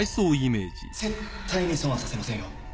絶対に損はさせませんよ。